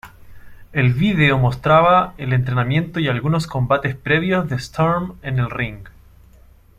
El vídeo mostraba el entrenamiento y algunos combates previos de Sturm en el "ring".